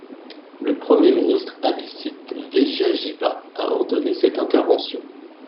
Le Premier ministre Abhisit Vejjajiva a ordonné cette intervention.